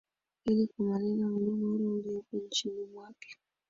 ili kumaliza mgogoro uliopo nchini mwake